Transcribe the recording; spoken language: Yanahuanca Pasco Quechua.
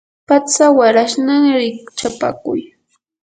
patsa warashnam rikchapakuy.